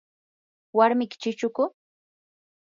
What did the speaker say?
¿warmiki chichuku?